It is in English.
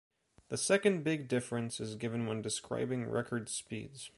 The second big difference is given when describing record speeds.